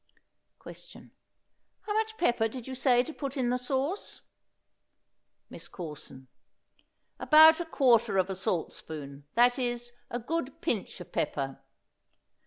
Question. How much pepper did you say to put in the sauce? MISS CORSON. About a quarter of a salt spoon; that is, a good pinch of pepper.